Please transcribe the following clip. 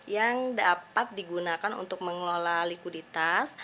yang dapat digunakan untuk mengelola likuiditas